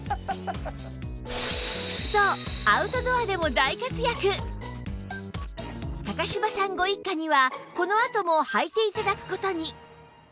そう柴さんご一家にはこのあとも履いて頂く事に